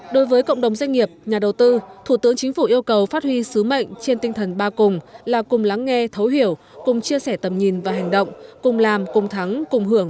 đối với cộng đồng doanh nghiệp nhà đầu tư thủ tướng chính phủ yêu cầu phát huy sứ mệnh trên tinh thần ba cùng